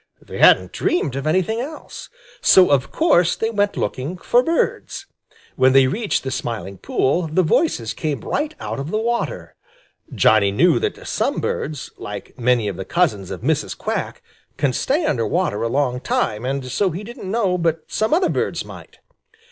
They hadn't dreamed of anything else. So of course they went looking for birds. When they reached the Smiling Pool, the voices came right out of the water. Johnny knew that some birds, like many of the cousins of Mrs. Quack, can stay under water a long time, and so he didn't know but some other birds might.